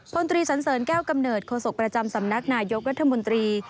พลตรีสันเสริญแก้วกำเนิดโศกประจำสำนักนายกรัฐมนตรี